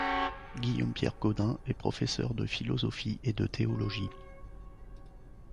Guillaume-Pierre Godin est professeur de philosophie et de théologie.